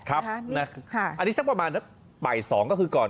ครับอันนี้สักประมาณใบ๒ก็คือก่อน